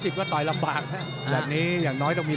๑๑๐ก็ต่อยลำบากนะวันนี้อย่างน้อยต้องมี๑๑๒